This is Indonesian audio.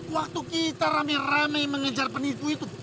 waktu kita rame rame mengejar penipu itu